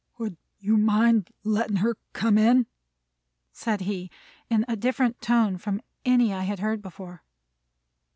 "Would you mind letting her come in?" said he, in a different tone from any I had heard before.